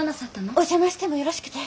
お邪魔してもよろしくて？